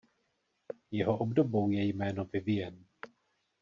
Jeho obdobou je jméno Vivian.